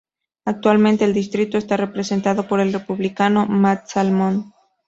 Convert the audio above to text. Actualmente el distrito está representado por el Republicano Matt Salmon.